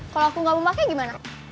kalau aku nggak mau pakai gimana